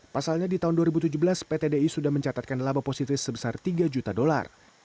pasalnya di tahun dua ribu tujuh belas pt di sudah mencatatkan laba positif sebesar tiga juta dolar